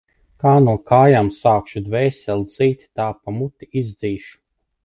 Kā no kājām sākšu dvēseli dzīt, tā pa muti izdzīšu.